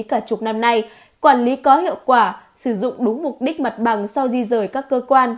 cả chục năm nay quản lý có hiệu quả sử dụng đúng mục đích mặt bằng sau di rời các cơ quan